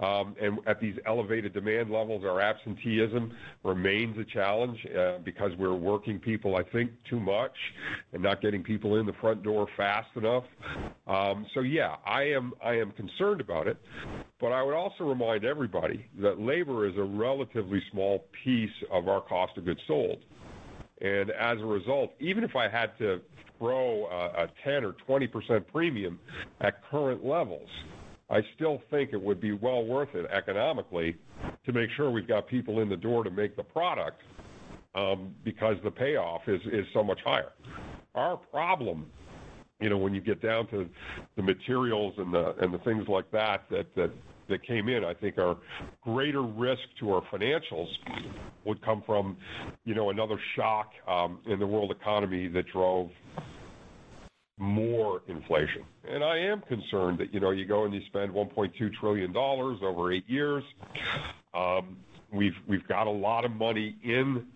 At these elevated demand levels, our absenteeism remains a challenge, because we're working people, I think, too much and not getting people in the front door fast enough. Yeah, I am concerned about it. I would also remind everybody that labor is a relatively small piece of our cost of goods sold. As a result, even if I had to throw a 10% or 20% premium at current levels, I still think it would be well worth it economically to make sure we've got people in the door to make the product, because the payoff is so much higher. Our problem, you know, when you get down to the materials and the things like that that came in, I think our greater risk to our financials would come from, you know, another shock in the world economy that drove more inflation. I am concerned that, you know, you go and you spend $1.2 trillion over eight years. We've got a lot of money in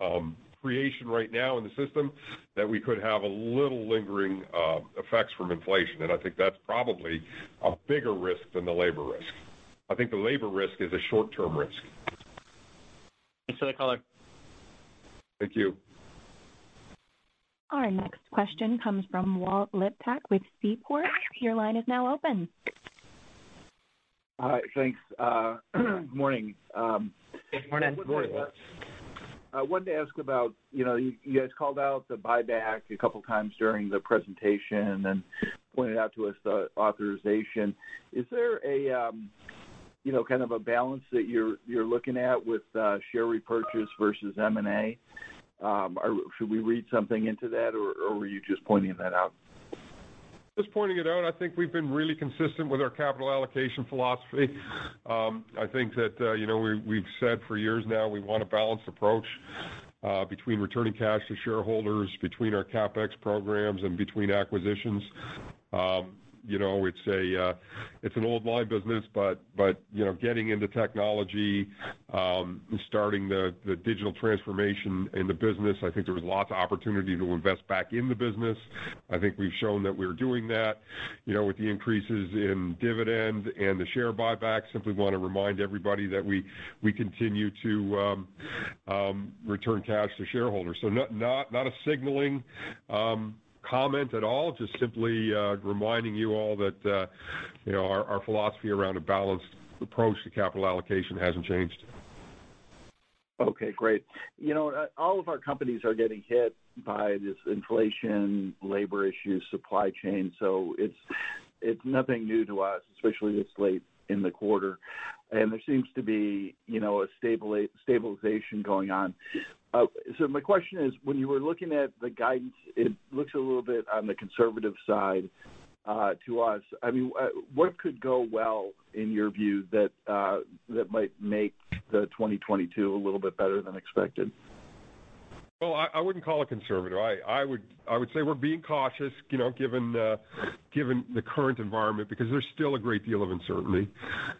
circulation right now in the system that we could have a little lingering effects from inflation. I think that's probably a bigger risk than the labor risk. I think the labor risk is a short-term risk. Thanks for the color. Thank you. Our next question comes from Walt Liptak with Seaport. Your line is now open. All right. Thanks, good morning. Good morning. Morning, Walt. I wanted to ask about, you know, you guys called out the buyback a couple times during the presentation and then pointed out to us the authorization. Is there a, you know, kind of a balance that you're looking at with share repurchase versus M&A? Should we read something into that, or were you just pointing that out? Just pointing it out. I think we've been really consistent with our capital allocation philosophy. I think that, you know, we've said for years now we want a balanced approach, between returning cash to shareholders, between our CapEx programs, and between acquisitions. You know, it's an old line business, but you know, getting into technology, and starting the digital transformation in the business, I think there was lots of opportunity to invest back in the business. I think we've shown that we're doing that, you know, with the increases in dividend and the share buyback. Simply wanna remind everybody that we continue to return cash to shareholders. Not a signaling comment at all. Just simply reminding you all that, you know, our philosophy around a balanced approach to capital allocation hasn't changed. Okay, great. You know, all of our companies are getting hit by this inflation, labor issues, supply chain, so it's nothing new to us, especially this late in the quarter. There seems to be, you know, a stabilization going on. So my question is, when you were looking at the guidance, it looks a little bit on the conservative side, to us. I mean, what could go well in your view that that might make the 2022 a little bit better than expected? Well, I wouldn't call it conservative. I would say we're being cautious, you know, given the current environment, because there's still a great deal of uncertainty.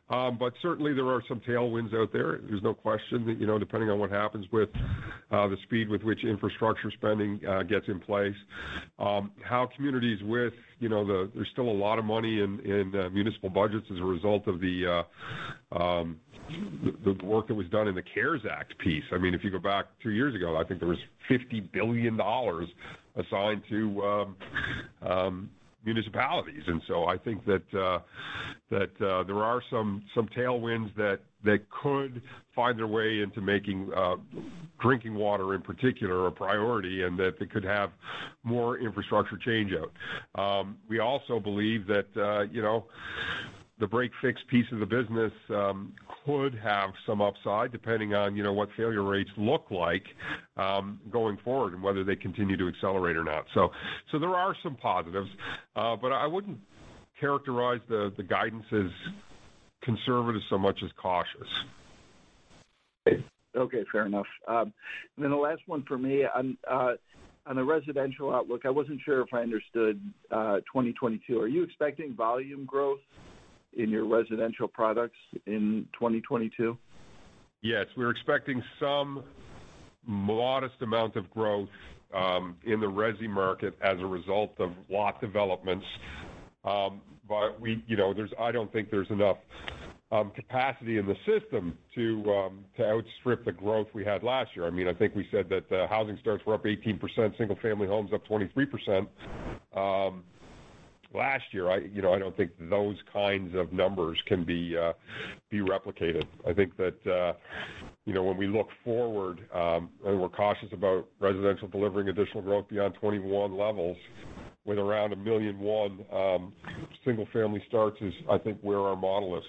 But certainly there are some tailwinds out there. There's no question that, you know, depending on what happens with the speed with which infrastructure spending gets in place, how communities with, you know, there's still a lot of money in municipal budgets as a result of the work that was done in the CARES Act piece. I mean, if you go back two years ago, I think there was $50 billion assigned to municipalities. I think that there are some tailwinds that could find their way into making drinking water, in particular, a priority, and that they could have more infrastructure change out. We also believe that, you know, the break-fix piece of the business could have some upside, depending on, you know, what failure rates look like going forward and whether they continue to accelerate or not. There are some positives. But I wouldn't characterize the guidance as conservative so much as cautious. Okay. Fair enough. Then the last one for me. On the residential outlook, I wasn't sure if I understood 2022. Are you expecting volume growth in your residential products in 2022? Yes, we're expecting some modest amount of growth in the resi market as a result of lot developments. You know, I don't think there's enough capacity in the system to outstrip the growth we had last year. I mean, I think we said that housing starts were up 18%, single-family homes up 23% last year. You know, I don't think those kinds of numbers can be replicated. I think that you know, when we look forward and we're cautious about residential delivering additional growth beyond 2021 levels. With around 1.1 million single-family starts is I think where our model is.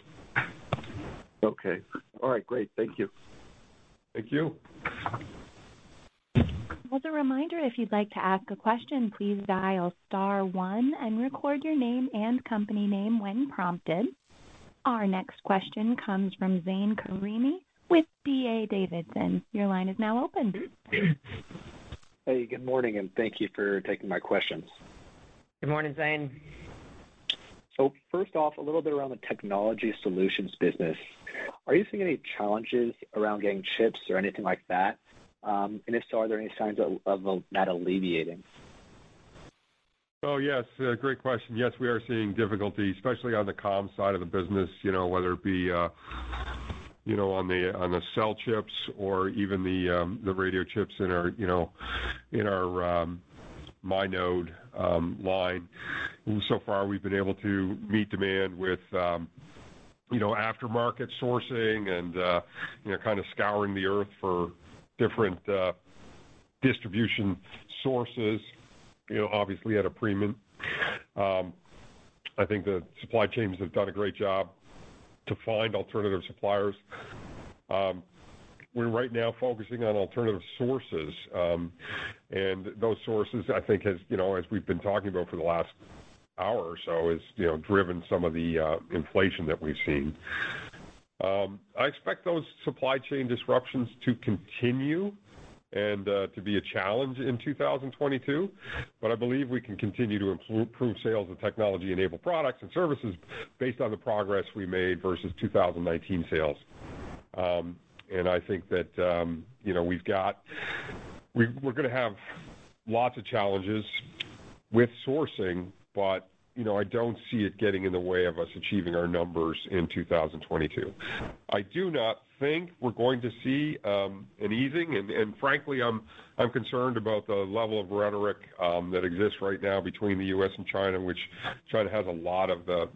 Okay. All right, great. Thank you. Thank you. As a reminder, if you'd like to ask a question, please dial star one and record your name and company name when prompted. Our next question comes from Zane Karimi with DA Davidson. Your line is now open. Hey, good morning, and thank you for taking my questions. Good morning, Zane. First off, a little bit around the technology solutions business. Are you seeing any challenges around getting chips or anything like that? If so, are there any signs of that alleviating? Oh, yes, great question. Yes, we are seeing difficulty, especially on the comms side of the business, you know, whether it be, you know, on the cell chips or even the radio chips in our, you know, in our Mi.Node line. So far we've been able to meet demand with, you know, aftermarket sourcing and, you know, kind of scouring the Earth for different distribution sources, you know, obviously at a premium. I think the supply chains have done a great job to find alternative suppliers. We're right now focusing on alternative sources. And those sources, I think has, you know, as we've been talking about for the last hour or so is, you know, driven some of the inflation that we've seen. I expect those supply chain disruptions to continue and to be a challenge in 2022. I believe we can continue to improve sales of technology-enabled products and services based on the progress we made versus 2019 sales. I think that, you know, we're gonna have lots of challenges with sourcing, but, you know, I don't see it getting in the way of us achieving our numbers in 2022. I do not think we're going to see an easing, and frankly, I'm concerned about the level of rhetoric that exists right now between the U.S. and China, which China has a lot of the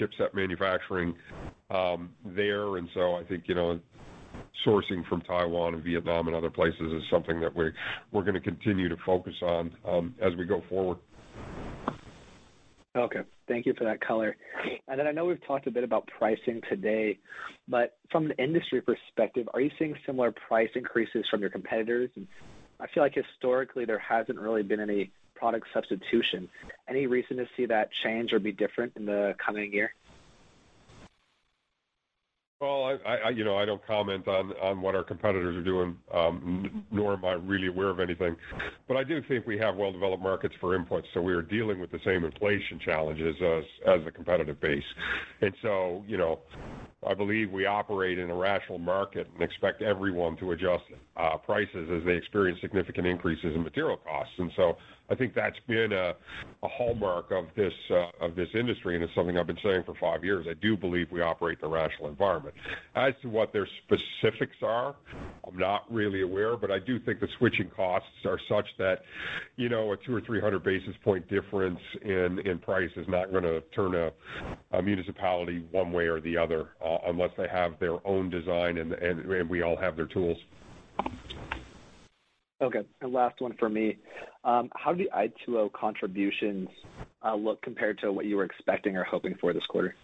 chipset manufacturing there. I think, you know, sourcing from Taiwan and Vietnam and other places is something that we're gonna continue to focus on, as we go forward. Okay. Thank you for that color. Then I know we've talked a bit about pricing today. From an industry perspective, are you seeing similar price increases from your competitors? I feel like historically there hasn't really been any product substitution. Any reason to see that change or be different in the coming year? Well, you know, I don't comment on what our competitors are doing, nor am I really aware of anything. I do think we have well-developed markets for inputs, so we are dealing with the same inflation challenges as a competitive base. You know, I believe we operate in a rational market and expect everyone to adjust prices as they experience significant increases in material costs. I think that's been a hallmark of this industry, and it's something I've been saying for five years. I do believe we operate in a rational environment. As to what their specifics are, I'm not really aware, but I do think the switching costs are such that, you know, a 200- or 300-basis point difference in price is not gonna turn a municipality one way or the other, unless they have their own design and we all have their tools. Okay. Last one for me. How do the i2O contributions look compared to what you were expecting or hoping for this quarter?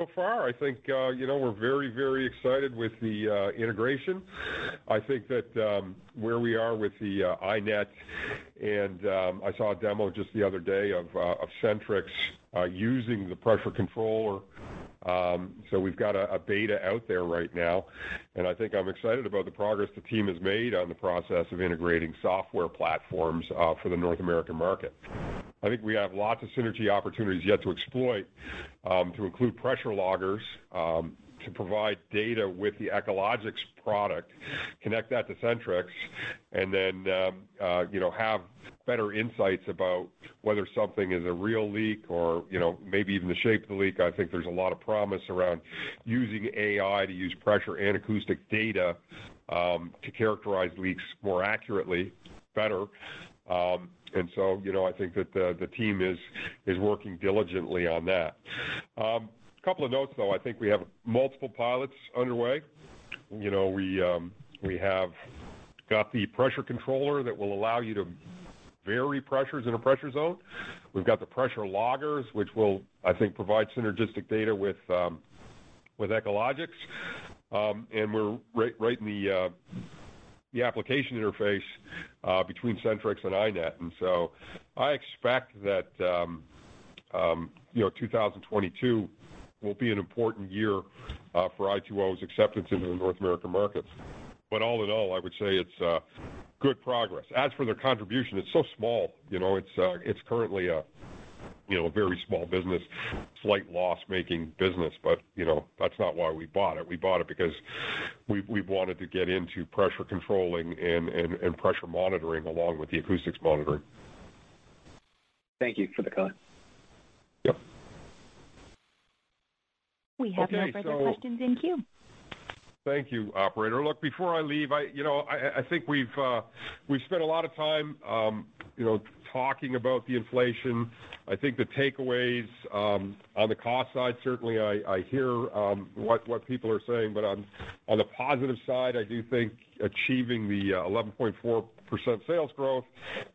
So far, I think, you know, we're very, very excited with the integration. I think that, where we are with the iNet, and I saw a demo just the other day of Sentryx using the pressure controller. We've got a beta out there right now, and I think I'm excited about the progress the team has made on the process of integrating software platforms for the North American market. I think we have lots of synergy opportunities yet to exploit, to include pressure loggers, to provide data with the Echologics product, connect that to Sentryx, and then, you know, have better insights about whether something is a real leak or, you know, maybe even the shape of the leak. I think there's a lot of promise around using AI to use pressure and acoustic data to characterize leaks more accurately better. You know, I think that the team is working diligently on that. A couple of notes, though. I think we have multiple pilots underway. You know, we have got the pressure controller that will allow you to vary pressures in a pressure zone. We've got the pressure loggers, which will, I think, provide synergistic data with Echologics. We're right in the application interface between Sentryx and iNet. I expect that, you know, 2022 will be an important year for i2O's acceptance into the North American markets. All in all, I would say it's good progress. As for their contribution, it's so small. You know, it's currently a, you know, very small business, slight loss-making business, but, you know, that's not why we bought it. We bought it because we've wanted to get into pressure controlling and pressure monitoring along with the acoustics monitoring. Thank you for the color. Yep. We have no further questions in queue. Thank you, operator. Look, before I leave, you know, I think we've spent a lot of time, you know, talking about the inflation. I think the takeaways on the cost side, certainly I hear what people are saying. On the positive side, I do think achieving the 11.4% sales growth,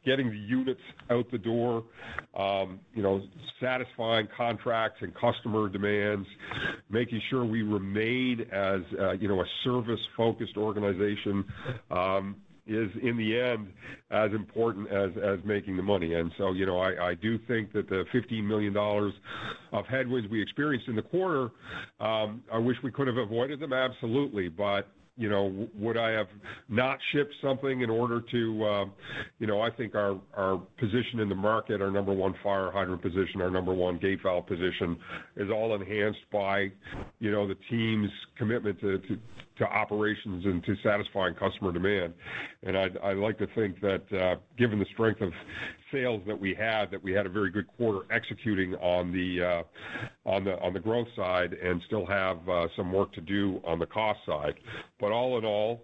getting the units out the door, you know, satisfying contracts and customer demands, making sure we remain as, you know, a service-focused organization is in the end as important as making the money. You know, I do think that the $50 million of headwinds we experienced in the quarter, I wish we could have avoided them, absolutely. You know, would I have not shipped something in order to. You know, I think our position in the market, our number one fire hydrant position, our number one gate valve position is all enhanced by, you know, the team's commitment to operations and to satisfying customer demand. I'd like to think that, given the strength of sales that we had, we had a very good quarter executing on the growth side and still have some work to do on the cost side. But all in all,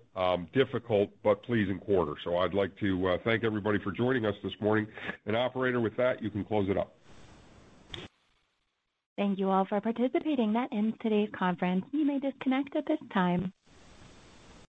difficult but pleasing quarter. I'd like to thank everybody for joining us this morning. Operator, with that, you can close it up. Thank you all for participating. That ends today's conference. You may disconnect at this time.